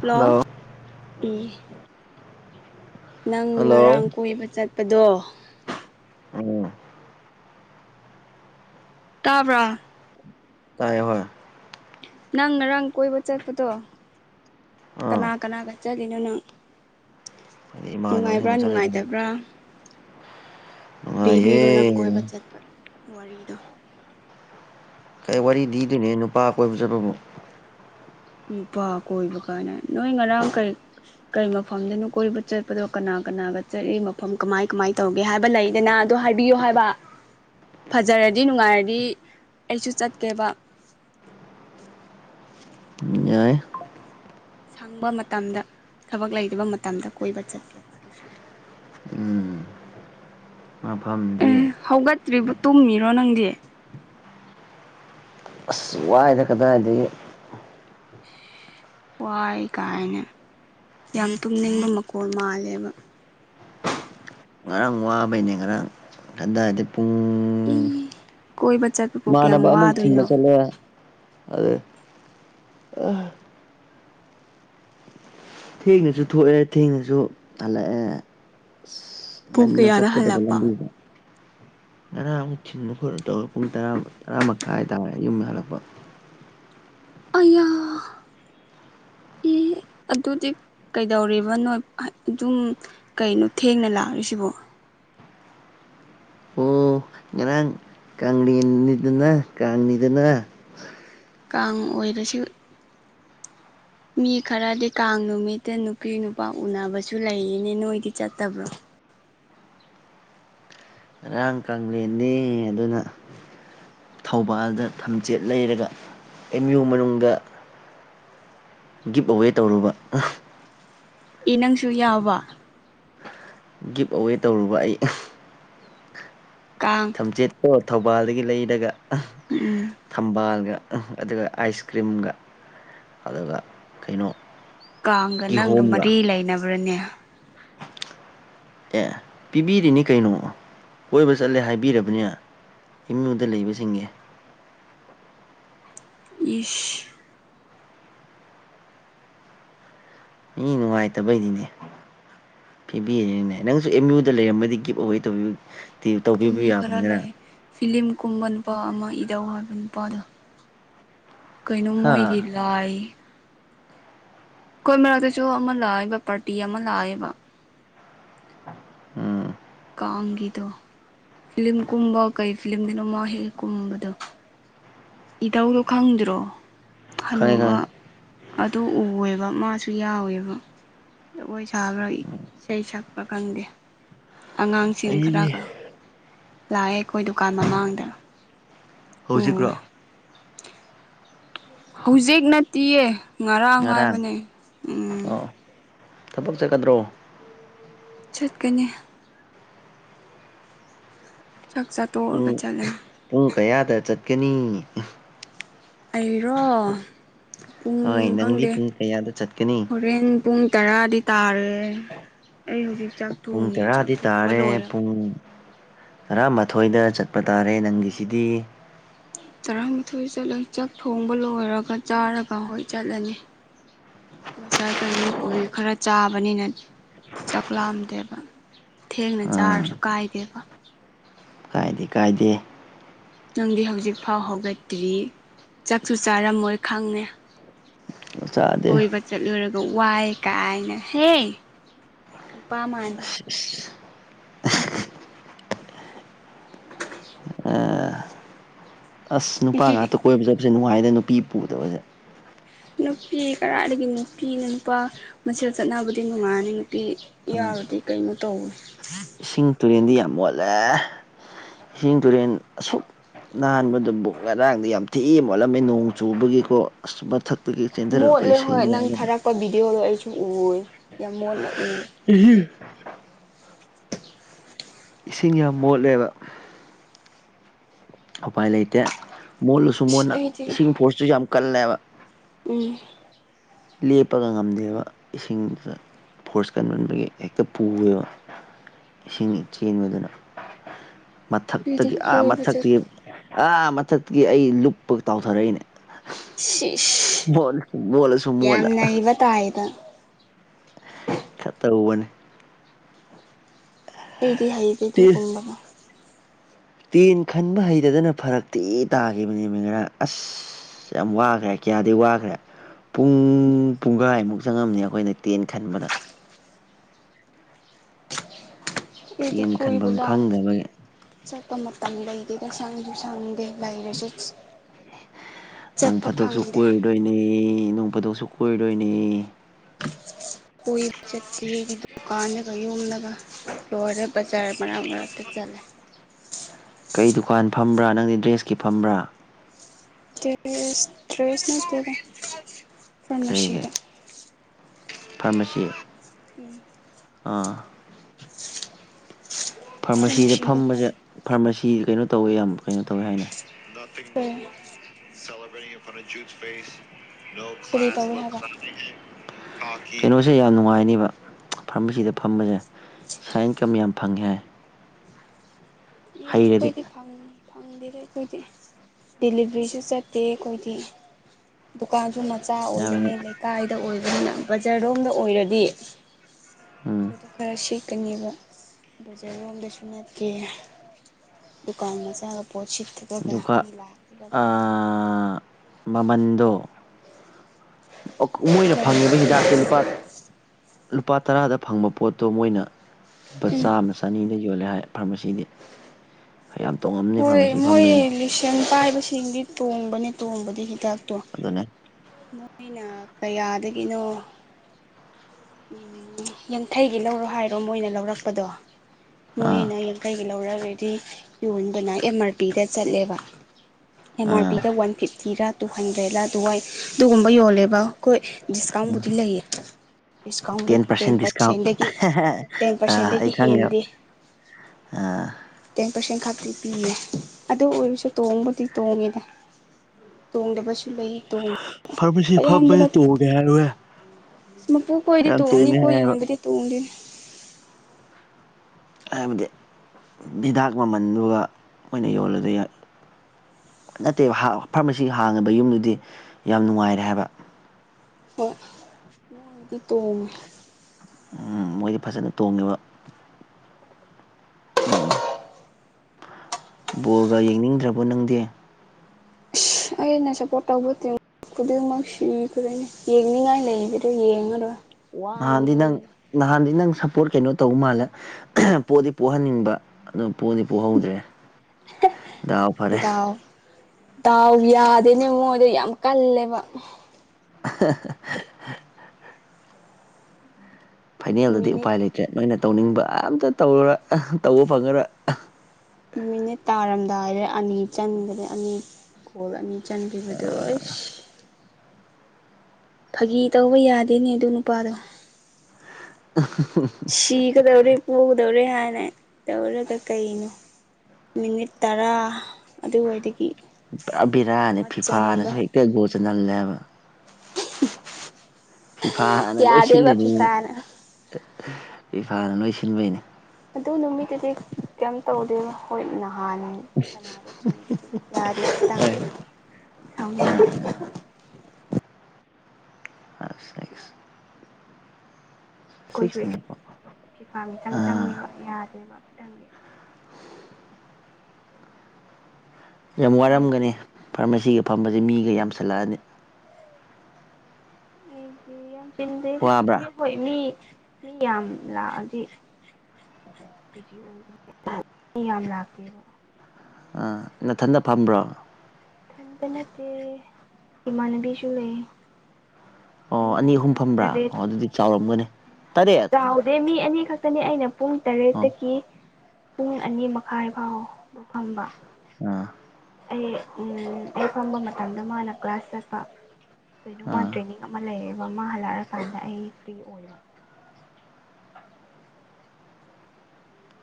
Hello ꯎꯝ ꯅꯪ hello ꯉꯔꯥꯡ ꯀꯣꯏꯕ ꯆꯠꯄꯗꯣ ꯎꯝ ꯇꯥꯕ꯭ꯔꯥ ꯇꯥꯏꯌꯦ ꯍꯣꯏ ꯅꯪ ꯉꯔꯥꯡ ꯀꯣꯏꯕ ꯆꯠꯄꯗꯣ ꯑꯥ ꯀꯅꯥ ꯀꯅꯥꯒ ꯆꯠꯂꯤꯅꯣꯅꯪ ꯑꯩꯗꯤ ꯏꯃꯥꯟꯅꯕꯁꯤꯡꯒ ꯅꯨꯡꯉꯥꯏꯕ꯭ꯔꯥ ꯆꯠꯂꯤꯅꯤ ꯅꯨꯡꯉꯥꯏꯇꯕ꯭ꯔꯥ ꯅꯨꯡꯉꯥꯏꯌꯦ ꯂꯤꯕꯤꯔꯣ ꯅꯪ ꯀꯣꯏꯕ ꯆꯠꯄ ꯋꯥꯔꯤꯗꯣ ꯀꯩ ꯋꯥꯔꯤ ꯂꯤꯗꯣꯏꯅꯦ ꯅꯨꯄꯥ ꯀꯣꯏꯕ ꯆꯠꯄꯕꯨ ꯅꯨꯄꯥ ꯀꯣꯏꯕ ꯀꯥꯏ ꯅꯣꯏ ꯉꯔꯥꯡ ꯀꯔꯤ ꯀꯔꯤ ꯃꯐꯝꯗꯅꯣ ꯀꯣꯏꯕ ꯆꯠꯄꯗꯣ ꯀꯅꯥ ꯀꯅꯥꯒ ꯆꯠꯂꯤ ꯃꯐꯝ ꯀꯃꯥꯏ ꯀꯃꯥꯏ ꯇꯧ ꯒꯦ ꯍꯥꯏꯕ ꯂꯩꯗꯅ ꯑꯗꯣ ꯍꯥꯏꯕꯤꯌꯣ ꯍꯥꯏꯕ ꯐꯖꯔꯗꯤ ꯅꯨꯡꯉꯥꯏꯔꯗꯤ ꯑꯩꯁꯨ ꯆꯠꯀꯦꯕ ꯌꯥꯏ ꯁꯪꯕ ꯃꯇꯝꯗ ꯊꯕꯛ ꯂꯩꯇꯕ ꯃꯇꯝꯗ ꯀꯣꯏꯕ ꯆꯠꯀꯦ ꯎꯝ ꯃꯐꯝꯗꯤ ꯍꯧꯒꯠꯇ꯭ꯔꯤꯕꯨ ꯇꯨꯝꯃꯤꯔꯣ ꯅꯪꯗꯤ ꯑꯁ ꯋꯥꯏꯗ ꯀꯗꯥꯏꯗꯒꯤ ꯋꯥꯏ ꯀꯥꯏꯅ ꯌꯥꯝ ꯇꯨꯝꯅꯤꯡꯕ ꯃꯈꯣꯜ ꯃꯥꯜꯂꯦꯕ ꯉꯔꯥꯡ ꯋꯥꯕꯩꯅꯦ ꯉꯔꯥꯡ ꯀꯗꯥꯏꯗꯩ ꯄꯨꯡ ꯏ ꯎꯝ ꯀꯣꯏꯕ ꯆꯠꯄꯕꯨ ꯀꯌꯥꯝ ꯃꯥꯃꯅꯕ ꯑꯃꯨꯛ ꯊꯤꯟꯕ ꯋꯥꯗꯣꯏꯅꯣ ꯆꯠꯂꯦ ꯑꯗꯨ ꯑ ꯊꯦꯡꯅꯁꯨ ꯊꯣꯛꯑꯦ ꯊꯦꯡꯅꯁꯨ ꯍꯜꯂꯛꯑꯦ ꯑꯁ ꯄꯨꯡ ꯉꯟꯅ ꯀꯌꯥꯗ ꯆꯠꯀꯗꯕ ꯍꯜꯂꯛꯄ ꯂꯝꯕꯤ ꯉꯔꯥꯃꯨꯛ ꯊꯤꯟꯕ ꯈꯣꯠꯂꯨ ꯇꯧꯔꯒ ꯄꯨꯡ ꯇꯔꯥ ꯇꯔꯥ ꯃꯈꯥꯏ ꯇꯥꯔꯦ ꯌꯨꯝ ꯍꯜꯂꯛꯄ ꯑꯌꯥ ꯑꯦ ꯑꯗꯨꯗꯤ ꯀꯩꯗꯧꯔꯤꯕ ꯅꯣꯏ ꯑꯗꯨꯝ ꯀꯩꯅꯣ ꯊꯦꯡꯅ ꯂꯥꯛꯔꯤꯁꯤꯕꯣ ꯑꯣ ꯉꯔꯥꯡ ꯀꯥꯡꯂꯦꯟꯅꯤꯗꯅ ꯀꯥꯡꯅꯤꯗꯅ ꯀꯥꯡ ꯑꯣꯏꯔꯁꯨ ꯃꯤ ꯈꯔꯗꯤ ꯀꯥꯡ ꯅꯨꯃꯤꯠꯇ ꯅꯨꯄꯤ ꯅꯨꯄꯥ ꯎꯅꯕꯁꯨ ꯂꯩꯌꯦꯅꯦ ꯅꯣꯏꯗꯤ ꯆꯠꯇꯕ꯭ꯔꯣ ꯉꯔꯥꯡ ꯀꯥꯡꯂꯦꯟꯅꯦ ꯑꯗꯨꯅ ꯊꯧꯕꯥꯜꯗ ꯊꯝꯆꯦꯠ ꯂꯩꯔꯒ ꯑꯦꯝ ꯌꯨ ꯃꯅꯨꯡꯗ ꯒꯤꯞ ꯑꯋꯦ ꯇꯧꯔꯨꯕ ꯑꯦ ꯅꯪꯁꯨ ꯌꯥꯎꯕ ꯒꯤꯞ ꯑꯋꯦ ꯇꯧꯔꯨꯕ ꯑꯩ ꯀꯥꯡ ꯊꯝꯆꯦꯠꯇꯣ ꯊꯧꯕꯥꯜꯗꯒꯤ ꯂꯩꯔꯒ ꯎꯝ ꯊꯝꯕꯥꯜꯒ ꯑꯗꯨꯒ ꯑꯥꯏꯁ ꯀ꯭ꯔꯤꯝꯒ ꯑꯗꯨꯒ ꯀꯩꯅꯣ ꯀꯥꯡꯒ ꯅꯪꯒ ꯀꯤꯍꯣꯝꯒ ꯃꯔꯤ ꯂꯩꯅꯕ꯭ꯔꯅꯦ ꯑꯦ ꯄꯤꯕꯤꯔꯤꯅꯤ ꯀꯩꯅꯣ ꯀꯣꯏꯕ ꯆꯠꯂꯦ ꯍꯥꯏꯕꯤꯔꯕꯅꯦ ꯑꯦꯝꯌꯨꯗ ꯂꯩꯕꯁꯤꯡꯒꯤ ꯏꯁ ꯃꯤ ꯅꯨꯡꯉꯥꯏꯇꯕꯩꯗꯤꯅꯦ ꯄꯤꯕꯤꯔꯤꯅꯤꯅꯦ ꯅꯪꯁꯨ ꯑꯦꯝ ꯌꯨꯗ ꯂꯩꯔꯝꯃꯗꯤ ꯒꯤꯐ ꯑꯋꯦ ꯇꯧꯕꯤꯕ ꯗꯤ ꯇꯧꯕꯤꯕ ꯃꯤ ꯌꯥꯕꯅꯤ ꯈꯔ ꯉꯔꯥꯡ ꯂꯩ ꯐꯤꯂꯤꯝ ꯀꯨꯝꯕ ꯅꯨꯄꯥ ꯑꯃ ꯏꯗꯧ ꯍꯥꯏꯕ ꯅꯨꯄꯥꯗꯣ ꯀꯩꯅꯣ ꯃꯣꯏꯒꯤ ꯍꯥ ꯂꯥꯏ ꯑꯩꯈꯣꯏ ꯃꯔꯛꯇꯁꯨ ꯑꯃ ꯂꯥꯛꯑꯦꯕ ꯄꯥꯔꯇꯤ ꯑꯃ ꯂꯥꯛꯑꯦꯕ ꯎꯝ ꯀꯥꯒꯤꯗꯣ ꯐꯤꯂꯝ ꯀꯨꯝꯕ ꯀꯩ ꯐꯤꯂꯝꯒꯤꯅꯣ ꯃꯥ ꯍꯦꯛ ꯀꯨꯝꯕꯗꯣ ꯏꯙꯧꯗꯣ ꯈꯪꯗ꯭ꯔꯣ ꯈꯪꯉꯦ ꯑꯅꯨꯕ ꯈꯪꯉꯦ ꯑꯗꯨ ꯎꯑꯦꯕ ꯃꯥꯁꯨ ꯌꯥꯎꯋꯦꯕ ꯖꯒꯣꯏ ꯁꯥꯕ꯭ꯔꯥ ꯏꯁꯩ ꯁꯛꯄ ꯈꯪꯗꯦ ꯑꯉꯥꯡꯁꯤꯡ ꯑꯩꯗꯤ ꯈꯔꯒ ꯂꯥꯛꯑꯦ ꯑꯩꯈꯣꯏ ꯗꯨꯀꯥꯟ ꯃꯃꯥꯡꯗ ꯎꯋꯦ ꯍꯧꯖꯤꯛ꯭ꯔꯣ ꯍꯧꯖꯤꯛ ꯅꯠꯇꯤꯌꯦ ꯉꯔꯥꯡ ꯍꯥꯏꯥꯏꯕꯅꯦ ꯑ ꯊꯕꯛ ꯆꯠꯒꯗ꯭ꯔꯣ ꯆꯠꯀꯅꯤ ꯆꯛꯆꯥ ꯇꯔꯒ ꯄꯨꯡ ꯆꯂꯦ ꯄꯨꯡ ꯀꯌꯥꯗ ꯆꯠꯀꯅꯤ ꯑꯩꯔꯣ ꯄꯨꯡ ꯍꯣꯏ ꯅꯪꯗꯤ ꯈꯪꯗꯦ ꯄꯨꯡ ꯀꯌꯥꯗ ꯆꯠꯀꯅꯤ ꯍꯣꯔꯦꯟ ꯄꯨꯡ ꯇꯔꯥꯗꯤ ꯇꯥꯔꯦ ꯑꯩ ꯍꯧꯖꯤꯛ ꯆꯥꯛ ꯄꯨꯡ ꯊꯣꯡꯉꯤ ꯆꯥꯛ ꯇꯔꯥꯗꯤ ꯊꯣꯡꯕ ꯂꯣꯏꯔꯦ ꯇꯔꯥꯃꯊꯣꯏꯗ ꯆꯠꯄ ꯇꯥꯔꯦ ꯅꯪꯒꯤꯁꯤꯗꯤ ꯇꯔꯥꯃꯥꯊꯣꯏ ꯆꯠꯂꯣꯏ ꯆꯥꯛ ꯊꯣꯡꯕ ꯂꯣꯏꯔꯒ ꯆꯥꯔꯒ ꯍꯣꯏ ꯆꯠꯂꯅꯤ ꯉꯁꯥꯏ ꯀꯩꯅꯅꯨꯡ ꯄꯨꯨꯔꯤ ꯈꯔ ꯆꯥꯕꯅꯤꯅ ꯆꯥꯛꯂꯥꯛꯑꯝꯗꯦꯕ ꯊꯦꯡꯅ ꯑꯥ ꯆꯥꯔꯁꯨ ꯀꯥꯏꯗꯦꯕ ꯀꯥꯏꯗꯦ ꯀꯥꯏꯗꯦ ꯅꯪꯗꯤ ꯍꯧꯖꯤꯛꯐꯥꯎ ꯍꯧꯒꯠꯇ꯭ꯔꯤ ꯆꯥꯛꯁꯨ ꯆꯥꯔꯝꯃꯣꯏ ꯈꯪꯉꯦ ꯆꯥꯗꯦ ꯑꯣꯏꯣꯏꯕ ꯆꯠꯂꯨꯔꯒ ꯋꯥꯏ ꯀꯥꯏꯅ ꯍꯦ ꯅꯨꯄꯥ ꯃꯥꯟ [unintelligible] [unintelligible] ꯑꯁ ꯅꯨꯄꯥ ꯉꯁꯤꯗꯤ ꯉꯥꯛꯇ ꯀꯣꯏꯕ ꯆꯠꯄꯁꯦ ꯅꯨꯡꯉꯥꯏꯗꯅ ꯅꯨꯄꯤ ꯄꯨꯗꯕꯁꯦ ꯅꯨꯄꯤ ꯀꯔꯥꯏꯗꯒꯤ ꯅꯨꯄꯤ ꯅꯨꯄꯥ ꯃꯁꯦꯜ ꯆꯠꯕꯨꯗꯤ ꯅꯨꯡꯉꯥꯏꯅꯤ ꯅꯨꯄꯤ ꯌꯥꯌꯥꯕꯗꯤ ꯀꯩꯅꯣ ꯇꯧꯋꯤ ꯏꯁꯤꯡ ꯇꯨꯔꯦꯟꯗꯤ ꯌꯥꯝ ꯃꯣꯠꯂꯦ ꯏꯁꯤꯡ ꯇꯨꯔꯦꯟ ꯑꯁꯨꯛ ꯅꯍꯟꯕꯗꯨꯕꯨꯛ ꯉꯔꯥꯡꯗꯤ ꯌꯥꯝ ꯊꯤ ꯑꯣꯣꯠꯂꯝꯃꯦ ꯅꯣꯡ ꯆꯨꯕꯒꯤꯀꯣ ꯑꯁꯨ ꯃꯊꯛ ꯑꯩꯒꯤ ꯆꯦꯟꯊꯔꯛꯄ ꯏꯁꯩꯅꯦꯗꯅ ꯑꯄ ꯚꯤꯗꯤꯑꯣꯗꯣ ꯑꯩꯁꯨ ꯎ ꯌꯥꯝ ꯃꯣꯠꯅ ꯎ ꯏꯍ [unintelligible] ꯏꯁꯤꯡ ꯌꯥꯝ ꯃꯣꯠꯂꯦꯕ ꯎꯄꯥꯏ ꯂꯩꯇꯦ ꯃꯣꯠꯂꯨꯁꯨ ꯑꯁ ꯃꯣꯟꯅ ꯑꯩꯗꯤ ꯁꯤꯒꯨꯝꯕ ꯐꯣꯔꯁꯇꯁꯨ ꯌꯥꯝ ꯀꯜꯂꯦꯕ ꯎꯝ ꯂꯦꯞꯄꯒ ꯉꯝꯗꯦꯕ ꯏꯁꯤꯡꯗ ꯐꯣꯔꯁ ꯀꯟꯃꯟꯕꯒꯤ ꯍꯦꯛꯇ ꯄꯨꯋꯦꯕ ꯏꯁꯤꯡ ꯆꯦꯟꯕꯗꯨꯅ ꯑꯩꯗꯤ ꯃꯊꯛꯇꯒꯤ ꯑꯥ ꯀꯣꯏꯕ ꯆꯠ ꯃꯊꯛꯇꯒꯤ ꯑꯥ ꯃꯊꯛꯀꯤ ꯑꯩ ꯂꯨꯞꯄꯒ ꯇꯥꯎꯊꯔꯛꯏꯅꯦ ꯁꯤꯁ ꯁꯤꯁ ꯌꯥꯝ ꯅꯩꯕ ꯇꯥꯏꯗ ꯈꯠꯇ ꯎꯕꯅꯦ ꯑꯩꯗꯤ ꯇꯦ ꯍꯌꯦꯒꯩꯗꯣꯒꯨꯝꯕꯒ ꯇꯦꯟ ꯈꯟꯕ ꯍꯩꯇꯗꯅ ꯐꯔꯛꯇꯤ ꯇꯥꯈꯤꯕꯅꯦ ꯃꯤꯅꯔꯥ ꯑꯁ ꯑꯁ ꯌꯥꯝ ꯋꯥꯈ꯭ꯔꯦ ꯀꯌꯥꯗꯤ ꯋꯥꯈ꯭ꯔꯦ ꯄꯨꯡ ꯄꯨꯡꯈꯥꯏꯃꯨꯛ ꯆꯪꯉꯝꯅꯤ ꯑꯩꯈꯣꯏꯅ ꯇꯦꯟ ꯈꯟꯕꯗ ꯇꯦꯟ ꯈꯟꯐꯝ ꯀꯣꯏꯕꯗꯥꯃ ꯈꯪꯗꯕꯒꯤ ꯆꯠꯄ ꯃꯇꯝ ꯂꯩꯗꯦꯗ ꯁꯪꯁꯨ ꯁꯪꯗꯦ ꯂꯩꯔꯁꯨꯠ ꯅꯅꯨꯡ ꯐꯥꯠꯇꯣꯛꯁꯨ ꯀꯣꯏꯔꯗꯣꯏꯅꯤ ꯅꯣꯡ ꯐꯥꯗꯣꯛꯁꯨ ꯀꯣꯏꯗꯣꯏꯅꯤ ꯀꯣꯏ ꯆꯠꯇꯔꯤꯒꯤ ꯗꯨꯀꯥꯟ ꯑꯗꯨꯒ ꯌꯨꯝꯂꯒ ꯂꯣꯏꯔ ꯕꯖꯥꯔ ꯃꯔꯛ ꯃꯔꯛꯇ ꯆꯠꯂꯦ꯫ ꯀꯩ ꯗꯨꯀꯥꯟ ꯐꯝꯕ꯭ꯔꯥ ꯅꯪꯗꯤ ꯗ꯭ꯔꯦꯁꯀꯤ ꯐꯝꯕ꯭ꯔꯥ꯫ ꯗ꯭ꯔꯦꯁ ꯗ꯭ꯔꯦꯁ ꯅꯠꯇꯦꯗ ꯐꯔꯃꯥꯁꯤꯗ ꯐꯥꯔꯃꯁꯤ ꯎꯝ ꯑꯥ ꯐꯥꯔꯃꯥꯁꯤꯗ ꯐꯝꯕꯁꯦ ꯐꯥꯔꯃꯥꯁꯤ ꯀꯩꯅꯣ ꯇꯧꯋꯦ ꯌꯥꯝ ꯀꯩꯅꯣ ꯇꯧꯋꯦ ꯍꯥꯏꯅ [unintelligible] ꯀꯔꯤ ꯇꯧꯋꯦ ꯍꯥꯏꯕ [unintelligible] ꯀꯩꯅꯣꯁꯦ ꯌꯥꯝ ꯅꯨꯡꯉꯥꯏꯅꯦꯕ ꯐꯥꯔꯃꯥꯁꯤꯗ ꯐꯝꯕꯁꯦ ꯁꯥꯏ ꯏꯟꯀꯝ ꯌꯥꯝ ꯐꯪꯉꯦ ꯍꯥꯏ ꯏ ꯍꯩꯔꯗꯤ ꯈꯣꯏꯗꯤ ꯐꯪꯗꯦꯗ ꯑꯩꯈꯣꯏꯗꯤ ꯗꯦꯂꯤꯕ꯭ꯔꯤꯁꯨ ꯆꯠꯇꯦ ꯑꯈꯣꯏꯗꯤ ꯗꯨꯀꯥꯟꯁꯨ ꯃꯆꯥ ꯍꯥꯏꯕꯗꯤ ꯑꯣꯏꯕꯅꯤ ꯀꯥꯏꯗ ꯑꯣꯏꯕꯅꯤꯅ ꯕꯖꯔꯣꯝꯗ ꯑꯣꯏꯔꯗꯤ ꯎꯝ ꯈꯔ ꯁꯦꯠꯀꯅꯦꯕ ꯕꯖꯔꯔꯣꯝꯗꯁꯨ ꯅꯠꯇꯠꯇꯦ ꯗꯨꯀꯥꯟ ꯃꯆꯥꯒ ꯄꯣꯠꯁꯤꯠꯇꯦ ꯑꯗꯨꯒ ꯑꯥ ꯃꯃꯟꯗꯣ ꯃꯣꯏꯅ ꯐꯪꯉꯤꯕ ꯍꯤꯗꯥꯛꯇꯣ ꯂꯨꯄꯥ ꯂꯨꯄꯥ ꯇꯔꯥꯗ ꯐꯪꯕ ꯄꯣꯠꯇꯣ ꯃꯣꯏꯅ ꯂꯨꯄꯥ ꯆꯥꯝꯃ ꯆꯅꯤꯗ ꯌꯣꯜꯂꯦ ꯍꯥꯏ ꯐꯥꯔꯃꯥꯁꯤꯗꯤ [unintelligible] ꯌꯥꯝ ꯇꯣꯡꯉꯥꯝ ꯍꯣꯏ ꯃꯣꯏ ꯂꯤꯁꯟ ꯄꯥꯏꯕꯁꯤꯡꯗꯤ ꯇꯣꯡꯕꯅꯦ ꯇꯣꯡꯕꯗꯤ ꯍꯤꯗꯥꯛ ꯑꯗꯨ ꯑꯗꯨꯅꯦ ꯃꯣꯏꯅ ꯀꯌꯥꯗꯒꯤꯅꯣ ꯎꯝ ꯌꯥꯡꯈꯩꯒꯤ ꯂꯧꯔꯣ ꯍꯥꯏꯔꯣ ꯃꯣꯏꯅ ꯂꯧꯔꯛꯄꯗꯣ ꯑꯥ ꯃꯣꯏꯅ [unintelligible] ꯌꯣꯟꯗꯅ ꯑꯦꯝ ꯑꯥꯔ ꯄꯤꯗ ꯆꯠꯂꯦꯕ ꯑꯦꯝ ꯑꯥꯔ ꯑꯥ ꯄꯤꯗ ꯋꯥꯟ ꯐꯤꯐꯤ ꯊꯤꯔꯥ ꯇꯨ ꯍꯟꯗ꯭ꯔꯦꯗꯂꯥ ꯑꯗꯨꯋꯥꯏ ꯑꯗꯨꯒꯨꯝꯕ ꯌꯣꯜꯂꯦꯕ ꯑꯈꯣꯏ ꯗꯤꯁꯀꯥꯎꯟꯕꯨꯗꯤ ꯂꯩꯌꯦ ꯗꯤꯁꯀꯥꯎꯟꯗꯤ ꯇꯦꯟ ꯄꯥꯔꯁꯦꯟ ꯗꯤꯁꯀꯥꯎꯟ ꯄꯥꯔꯁꯦꯟꯗꯒꯤ ꯇꯦꯟ ꯑꯩ ꯄꯥꯔꯁꯦꯟꯗꯒꯤ ꯈꯪꯉꯦꯕ ꯍꯦꯟꯗꯦ ꯑꯥ ꯇꯦꯟ ꯄꯥꯔꯁꯦꯟ ꯈꯇꯤ ꯄꯤꯌꯦ ꯑꯗꯨ ꯑꯣꯏꯔꯁꯨ ꯇꯣꯡꯕꯨꯗꯤ ꯇꯣꯡꯉꯤꯗ ꯇꯣꯡꯗꯕꯁꯨ ꯂꯩꯌꯦ꯫ ꯐꯃꯁꯤ ꯐꯕꯁꯦ ꯇꯣꯡꯉꯦ ꯍꯥꯏꯔꯋꯦ ꯃꯄꯨ ꯀꯣꯏꯗꯤ ꯇꯣꯡꯅꯤ ꯀꯣꯏ ꯍꯥꯏꯌꯦꯕ ꯌꯣꯟꯕꯗꯤ ꯇꯣꯡꯗꯦ ꯍꯥꯏꯕꯗꯤ ꯍꯤꯗꯥꯛ ꯃꯃꯜꯗꯨꯒ ꯃꯣꯏꯅ ꯌꯣꯜꯂꯗꯤ ꯌꯥꯏ ꯅꯠꯇꯦꯕ ꯐꯥꯔꯃꯥꯁꯤ ꯍꯥꯡꯉꯕ ꯌꯨꯝꯗꯨꯗꯤ ꯌꯥꯝ ꯅꯨꯡꯉꯥꯏꯔꯦ ꯍꯥꯏꯕ ꯍꯣꯏ ꯃꯣꯏꯗꯤ ꯇꯣꯡꯉꯦ ꯎ ꯃꯣꯏꯗꯤ ꯐꯖꯅ ꯇꯣꯡꯉꯤꯕ ꯎꯝ ꯕꯣꯜꯒ ꯌꯦꯡꯅꯤꯡꯗ꯭ꯔꯕꯣ ꯅꯪꯗꯤ ꯑꯁ ꯑꯩꯅ ꯁꯞꯄꯣꯠ ꯇꯧꯕꯨꯗꯤ ꯈꯨꯗꯤꯡꯃꯛ ꯁꯤꯈꯔꯅꯤ ꯌꯦꯡꯅꯤꯡꯉꯥꯏ ꯂꯩꯕꯗꯣ ꯌꯦꯡꯉꯔꯣꯏ ꯅꯍꯥꯟꯗꯤ ꯅꯪ ꯋꯥꯅꯤꯉꯥꯏ ꯅꯍꯥꯟꯗꯤ ꯅꯪ ꯁꯞꯄꯣꯔꯠ ꯀꯩꯅꯣ ꯇꯧ ꯃꯥꯜꯂꯦ [unintelligible] ꯄꯣꯗꯤ ꯄꯣꯍꯟꯅꯤꯡꯕ ꯑꯗꯨ ꯄꯣꯗꯤ ꯄꯣꯛꯍꯧꯗ꯭ꯔꯦ [unintelligible] ꯗꯥꯎ ꯗꯥꯎ ꯌꯥꯗꯦꯅꯦ ꯃꯣꯢꯗꯣ ꯌꯥꯝ ꯀꯜꯂꯦꯕ [unintelligible] ꯐꯥꯏꯅꯦꯜꯗꯗꯤ ꯃꯤꯅꯤꯠ ꯎꯄꯥꯏ ꯂꯩꯇ꯭ꯔꯦ ꯅꯣꯏꯅ ꯇꯧꯅꯤꯡꯕ ꯑꯝꯇ ꯇꯧꯔ ꯇꯧꯕ ꯐꯪꯉꯔꯣꯏ ꯃꯤꯅꯤꯠ ꯇꯥꯔꯝꯗꯥꯏꯗ ꯑꯅꯤ ꯆꯟꯒꯔꯦ ꯑꯅꯤ ꯀꯣꯜꯑꯅꯤ ꯆꯥꯟꯒꯤꯕꯗꯨ ꯑꯣꯏꯁ ꯐꯥꯒꯤ ꯇꯧꯕ ꯌꯥꯗꯦꯅꯦ ꯑꯗꯨ ꯅꯨꯄꯥꯗꯣ [unintelligible] ꯁꯤꯒꯗꯧꯔꯦ ꯄꯨꯒꯗꯧꯔꯦ ꯍꯥꯏꯅ ꯇꯧꯔꯒ ꯀꯩꯅꯣ ꯃꯤꯅꯤꯠ ꯇꯔꯥ ꯑꯗꯨꯋꯥꯢꯗꯒꯤ ꯄꯨꯔꯤ ꯕꯦꯔꯥꯅꯤ ꯐꯤꯐꯥꯅꯁꯨ ꯍꯦꯛꯇ ꯒꯣꯜ ꯆꯟꯁꯜꯂꯦ ꯍꯥꯢꯕ ꯐꯤꯐꯥꯅ ꯌꯥꯗꯦꯕ ꯂꯣꯏꯁꯤꯜꯂꯤꯅꯤ ꯐꯤꯐꯥꯅ ꯐꯤꯐꯥꯅ ꯂꯣꯏꯁꯤꯟꯕꯩꯅꯦ ꯑꯗꯨ ꯅꯨꯃꯤꯠꯇꯨꯗꯤ ꯀꯩꯝ ꯇꯧꯗꯦ ꯍꯣꯏ ꯅꯍꯥꯟ ꯁꯥꯟꯅꯕ ꯆꯦꯟꯕꯗꯨꯗꯤ ꯌꯥꯗꯦ ꯑꯥ [unintelligible] ꯁꯥꯎꯅꯤꯡꯉꯤ ꯑꯥ [unintelligible] ꯑꯩꯈꯣꯏꯁꯨ ꯁꯤꯛꯁꯅꯤꯅꯀꯣ ꯐꯤꯐꯥꯝ ꯃꯤꯆꯪ ꯑꯥ ꯆꯪꯉꯦꯕ ꯌꯥꯗꯦꯕ ꯈꯤꯇꯪꯗꯤ ꯌꯥꯝ ꯋꯥꯔꯝꯒꯅꯤ ꯍꯥꯏꯅꯤꯡꯉꯥꯏ ꯐꯥꯔꯃꯥꯁꯤꯒ ꯐꯝꯕꯁꯦ ꯃꯤꯒ ꯌꯥꯝꯁꯜꯂꯛꯑꯅꯤ ꯑꯩꯗꯤ ꯌꯥꯝ ꯆꯤꯟꯗꯦꯗ ꯋꯥꯕ꯭ꯔꯥ ꯃꯤ ꯍꯣꯏ ꯃꯤ ꯃꯤ ꯌꯥꯝ ꯂꯥꯛꯑꯗꯤ [unintelligible] ꯑꯣꯏ ꯃꯤ ꯌꯥꯝ ꯂꯥꯛꯇꯦꯕ ꯑꯥ ꯅꯊꯟꯗ ꯐꯝꯕ꯭ꯔꯣ ꯢꯊꯟꯇ ꯅꯠꯇꯦ ꯏꯃꯥꯟꯅꯕꯤꯁꯨ ꯂꯩꯌꯦ ꯑꯣ ꯑꯅꯤ ꯑꯍꯨꯝ ꯐꯕ꯭ꯔꯥ ꯇꯔꯦꯠ ꯑꯣ ꯑꯗꯨꯗꯤ ꯆꯥꯎꯔꯝꯒꯅꯤ ꯇꯔꯦꯠ ꯅꯠꯇꯦ ꯃꯤ ꯑꯅꯤ ꯈꯛꯇꯅꯤ ꯑꯩꯅ ꯄꯨꯡ ꯑꯣ ꯇꯔꯦꯠꯇꯒꯤ ꯄꯨꯡ ꯑꯅꯤ ꯃꯈꯥꯏ ꯐꯥꯎꯕ ꯐꯝꯕ ꯑꯥ ꯑꯩ ꯎꯝ ꯑꯩ ꯐꯝꯕ ꯃꯇꯝꯗ ꯃꯥꯅ ꯀ꯭ꯂꯥꯁ ꯆꯠꯄ ꯀꯩꯅꯣ ꯃꯥ ꯑꯥ ꯇ꯭ꯔꯦꯅꯤꯡ ꯑꯃ ꯂꯩꯌꯦꯕ ꯑꯃ ꯍꯜꯂꯛꯑꯀꯥꯟꯗ ꯑꯩ ꯐ꯭ꯔꯤ ꯑꯣꯏꯕ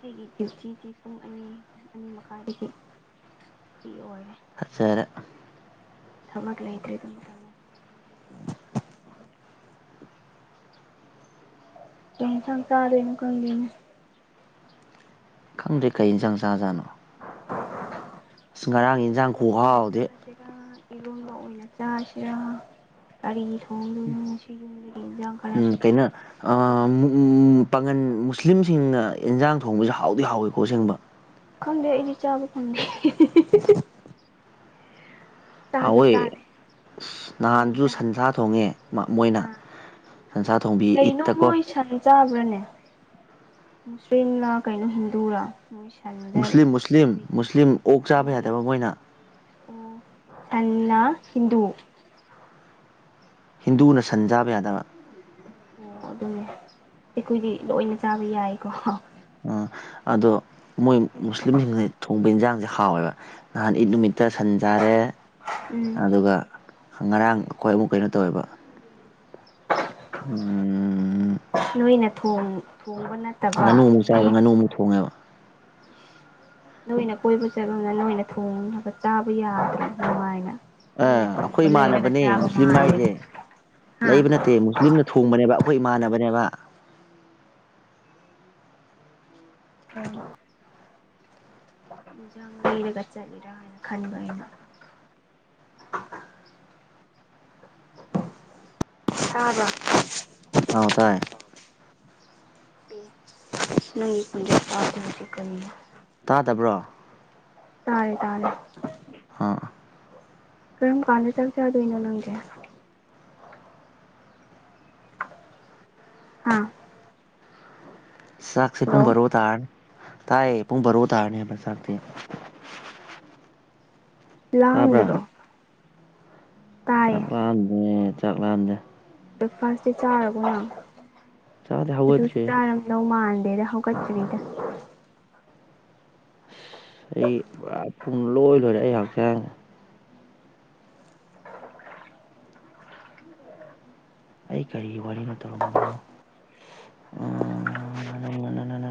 ꯑꯩꯒꯤ ꯗ꯭ꯌꯨꯇꯤꯗꯤ ꯄꯨꯡ ꯑꯅꯤ ꯑꯅꯤ ꯃꯈꯥꯏꯗꯒꯤ ꯐ꯭ꯔꯤ ꯑꯣꯏꯔꯦ ꯐꯖꯔꯦ ꯊꯕꯛ ꯂꯩꯇꯗ꯭ꯔꯤ [unintelligible] ꯀꯩ ꯢꯟꯁꯥꯡ ꯆꯥꯗꯣꯢꯅꯣ ꯈꯪꯗꯦꯅꯦ ꯈꯪꯗꯦ ꯀꯩ ꯏꯟꯖꯥꯡ ꯆꯥ ꯖꯥꯠꯅꯣ ꯑꯁ ꯉꯔꯥꯡ ꯌꯦꯟꯖꯥꯡ ꯈꯨꯍꯥꯎꯗꯤ ꯑꯥ ꯏꯔꯣꯝꯕ ꯑꯣꯏꯅ ꯆꯥꯁꯤꯔꯥ ꯀꯔꯤ ꯊꯣꯡꯗꯣꯢꯅꯣ ꯉꯁꯤꯒꯤ [unintelligible] ꯢꯟꯖꯥꯡ [unintelligible] [unintelligible] ꯀꯩꯅꯣ ꯑꯥ [unintelligible] ꯎꯝ ꯄꯥꯉꯟ ꯃꯨꯁꯂꯤꯝꯁꯤꯡꯅ ꯏꯟꯖꯥꯡ ꯊꯣꯡꯕꯁꯨ ꯍꯥꯎꯗꯤ ꯍꯥꯎꯋꯤꯀꯣ ꯑꯁꯦꯡꯕ ꯈꯪꯗꯦ ꯑꯩꯗꯤ ꯆꯕ ꯐꯪꯗꯦ ꯆꯥꯁꯨ ꯍꯥꯎꯑꯦ ꯆꯥꯗꯦ ꯀꯩ ꯅꯍꯥꯟꯁꯨ ꯏꯟꯖꯥꯡ ꯁꯟꯁꯥ ꯊꯣꯡꯉꯦ ꯃꯣꯏꯅ ꯑꯥ ꯁꯟꯁꯥ ꯊꯣꯡꯕꯤ ꯀꯩꯅꯣ ꯏꯠꯇ ꯀꯣ ꯃꯣꯏ ꯁꯟ ꯆꯥꯕ꯭ꯔꯥꯅꯦ ꯃꯨꯁꯂꯤꯝꯂ ꯀꯩꯅꯣ ꯍꯤꯟꯗꯨꯔꯥ ꯃꯣꯏ ꯁꯟꯗ ꯃꯨꯁꯂꯤꯝ ꯃꯨꯁꯂꯤꯝ ꯃꯣꯏ ꯃꯨꯁꯂꯤꯝ ꯑꯣꯛ ꯆꯥꯕ ꯃꯣꯏꯒꯤ ꯌꯥꯗꯕ ꯃꯣꯏꯅ ꯑꯣ ꯁꯟꯅꯥ ꯍꯤꯟꯗꯨ ꯍꯤꯟꯗꯨꯅ ꯁꯟ ꯆꯥꯕ ꯌꯥꯗꯕ ꯑꯣ ꯑꯗꯨꯅꯤ ꯑꯩꯈꯣꯏꯗꯤ ꯂꯣꯏꯅ ꯆꯥꯕ ꯌꯥꯏꯀꯣ ꯑꯥ ꯑꯗꯣ ꯃꯣꯏ ꯃꯨꯁꯂꯤꯝꯁꯤꯡꯁꯦ ꯊꯣꯡꯕ ꯏꯟꯁꯥꯡꯁꯦ ꯍꯥꯎꯋꯦꯕ ꯅꯍꯥꯟ ꯏꯠ ꯅꯨꯃꯤꯠꯇ ꯁꯟ ꯆꯥꯔꯦ ꯎꯝ ꯑꯗꯨꯒ ꯉꯔꯥꯡ ꯑꯩꯈꯣꯏ ꯑꯃꯨꯛ ꯀꯩꯅꯣ ꯇꯧꯋꯦꯕ ꯎꯝ ꯅꯣꯏꯅ ꯊꯣꯡ ꯊꯣꯡꯕ ꯅꯠ ꯉꯥꯅꯨ ꯑꯃꯨꯛ ꯆꯥꯏꯌꯦꯕ ꯉꯥꯅꯨ ꯑꯃꯨꯛ ꯊꯣꯡꯉꯦꯕ ꯅꯣꯏꯅ ꯀꯣꯏꯕ ꯆꯠꯂꯨꯝꯅ ꯅꯣꯏꯅ ꯊꯣꯡꯅꯕ ꯆꯥꯕ ꯌꯥꯗ꯭ꯔꯤꯕ ꯑꯃꯥꯏꯅ ꯑ ꯑꯩꯈꯣꯏ ꯏꯃꯥꯟꯅꯕꯅꯦ ꯃꯨꯁꯂꯤꯝ ꯍꯥꯏꯁꯦ ꯍꯥ ꯂꯩꯕ ꯅꯠꯇꯦ ꯃꯨꯁꯂꯤꯝꯅ ꯊꯣꯡꯕꯅꯦꯕ ꯑꯩꯈꯣꯏ ꯏꯃꯥꯟꯅꯕꯅꯦꯕ [unintelligible] ꯏꯟꯖꯥꯡ ꯂꯩꯔꯒ ꯆꯠꯂꯔꯥ ꯍꯥꯏꯅ ꯈꯟꯕ ꯑꯩꯅ ꯇꯥꯕ꯭ꯔꯥ ꯑꯧ ꯇꯥꯏ ꯅꯪꯒꯤ ꯈꯣꯟꯖꯦꯜ ꯇꯥꯗꯦ ꯍꯥꯏꯁꯤ ꯀꯔꯤꯅꯣ ꯇꯥꯗꯕ꯭ꯔꯣ ꯇꯥꯔꯦ ꯇꯥꯔꯦ ꯑꯥ ꯀꯔꯝ ꯀꯥꯟꯗ ꯇꯥꯛ ꯆꯥꯗꯣꯏꯅꯣ ꯅꯪꯗꯤ ꯍꯥ ꯆꯥꯛꯁꯦ ꯍꯜꯂꯣ ꯄꯨꯡ ꯕꯔꯣ ꯇꯥꯔꯅꯤ ꯇꯥꯏꯌꯦ ꯄꯨꯡ ꯕꯔꯣ ꯇꯥꯔꯅꯤ ꯍꯥꯏꯕ ꯆꯥꯛꯇꯤ ꯇꯥꯕ꯭ꯔꯥ ꯂꯥꯝꯗꯔꯣ ꯆꯥꯛꯂꯥꯛꯑꯥꯟꯗꯦ ꯆꯥꯛꯂꯥꯛꯑꯥꯟꯗꯦ ꯕ꯭ꯔꯦꯛꯐꯥꯁꯇꯤ ꯆꯥꯔꯒ ꯃ ꯆꯥꯛꯗꯤ ꯑꯗꯨꯁꯨ ꯍꯧꯒꯠꯇ꯭ꯔꯤ ꯆꯥꯔ ꯂꯃꯥꯟꯗꯦꯗꯍꯣ ꯀꯆꯔꯤꯗ ꯑꯩ ꯄꯨꯔꯥ ꯄꯨꯡ ꯂꯣꯏ ꯂꯣꯏꯔꯦ ꯑꯩ ꯍꯛꯆꯥꯡ ꯑꯩ ꯀꯔꯤꯒꯤ ꯋꯥꯔꯤꯅꯣ ꯇꯧꯔꯝꯕꯗꯣ